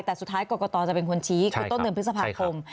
แต่สุดท้ายกรกตจะเป็นคนชี้คือต้นเดือนพฤษภาคม